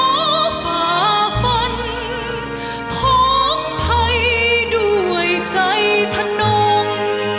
ขอฝ่าฝันพ้องไทยด้วยใจทะนง